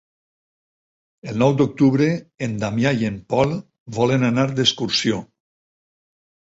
El nou d'octubre en Damià i en Pol volen anar d'excursió.